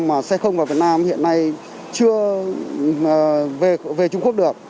mà xe không vào việt nam hiện nay chưa về trung quốc được